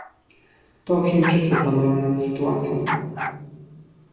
To Chińczycy panują nad sytuacją